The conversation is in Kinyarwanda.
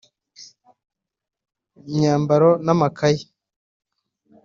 imyambaro n’amakaye